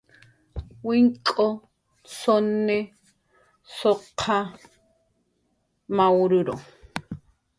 wink'u, suni , suqa , mawruru